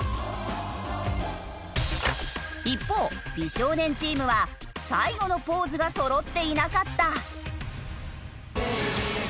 一方美少年チームは最後のポーズがそろっていなかった。